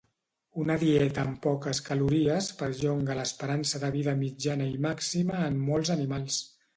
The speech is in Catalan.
Una dieta amb poques calories perllonga l'esperança de vida mitjana i màxima en molts animals.